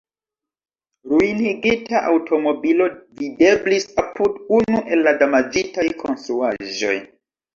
Ruinigita aŭtomobilo videblis apud unu el la damaĝitaj konstruaĵoj.